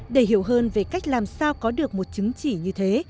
để hiểu hơn về cách làm sao có được một chứng chỉ như thế